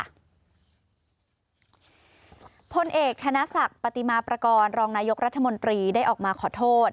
ผลเอกธนศักดิ์ปฏิมาประกอบรองนายกรัฐมนตรีได้ออกมาขอโทษ